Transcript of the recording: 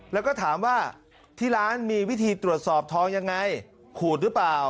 แล้วก็ถามว่าที่ร้านมีวิธีตรวจสอบทองยังไงขูดหรือเปล่า